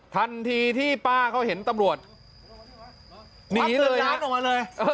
ทันทีที่ป้าเขาเห็นตำรวจหนีเลยครับ